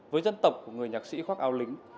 với dân tộc của người nhạc sĩ khoác ao lính